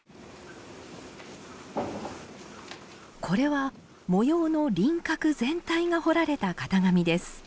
これは模様の輪郭全体が彫られた型紙です。